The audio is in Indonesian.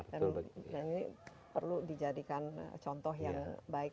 dan ini perlu dijadikan contoh yang baik